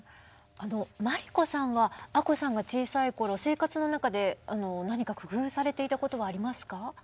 真理子さんは亜子さんが小さい頃生活の中で何か工夫されていたことはありますか？